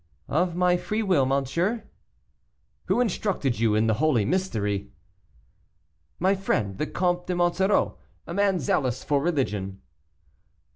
"Of my free will, monsieur." "Who instructed you in the holy mystery?" "My friend, the Comte de Monsoreau, a man zealous for religion."